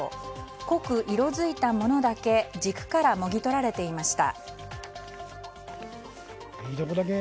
濃く、色づいたものだけ軸から、もぎ取られていました。